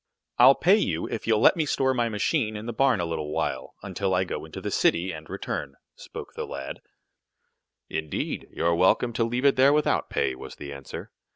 "I'll pay you if you'll let me store my machine in the barn a little while, until I go into the city, and return," spoke the lad. "Indeed, you're welcome to leave it there without pay," was the answer.